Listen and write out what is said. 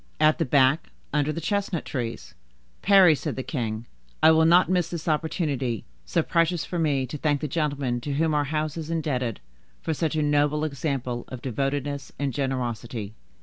"At the back, under the chestnut trees." "Parry," said the king, "I will not miss this opportunity, so precious for me, to thank the gentleman to whom our house is indebted for such a noble example of devotedness and generosity.